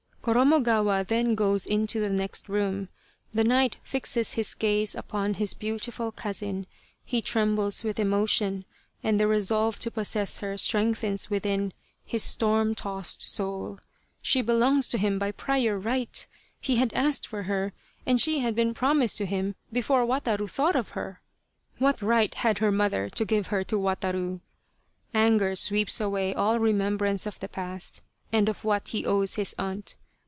Koromogawa then goes into the next room. The knight fixes his gaze upon his beautiful cousin, he trembles with emotion, and the resolve to possess her strengthens within his storm tossed soul. She belongs to him by prior right. He had asked for her, and she had been promised to him before Wataru 70 < The Tragedy of Kesa Gozen thought of her ; what right had her mother to give her to Wataru ? Anger sweeps away all remem brance of the past and of what he owes his aunt.